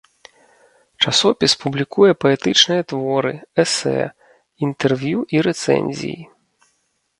Часопіс публікуе паэтычныя творы, эсэ, інтэрв'ю і рэцэнзіі.